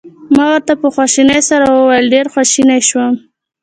ما ورته په خواشینۍ سره وویل: ډېر خواشینی شوم.